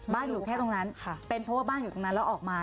อยู่แค่ตรงนั้นเป็นเพราะว่าบ้านอยู่ตรงนั้นแล้วออกมา